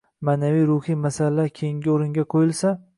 ma’naviy-ruhiy masalalar keyingi o‘ringa qo‘yilsa